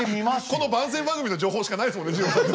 この番宣番組の情報しかないですもんね二朗さん。